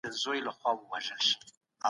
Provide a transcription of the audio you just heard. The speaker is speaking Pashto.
واکمنانو د زور له لاري خپلي پريکړي پلي کړې.